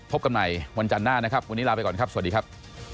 พบกันใหม่วันจันทร์หน้านะครับวันนี้ลาไปก่อนครับสวัสดีครับ